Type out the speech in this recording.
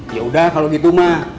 yaudah kalau gitu mak